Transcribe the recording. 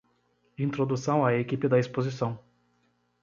Introdução à equipe da exposição